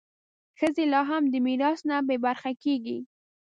ښځې لا هم د میراث نه بې برخې کېږي.